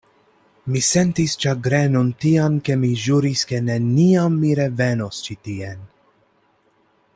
Mi sentis ĉagrenon tian, ke mi ĵuris, ke neniam mi revenos ĉi tien.